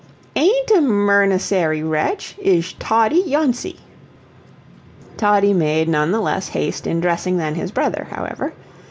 "AIN'T a mernesary wetch; Izhe Toddie Yawncie." Toddie made none the less haste in dressing than his brother, however.